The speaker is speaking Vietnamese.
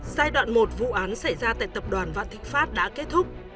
giai đoạn một vụ án xảy ra tại tập đoàn vạn thịnh pháp đã kết thúc